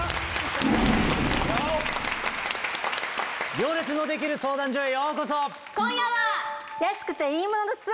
『行列のできる相談所』へようこそ。